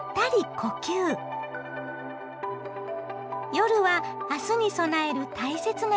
夜は明日に備える大切な時間。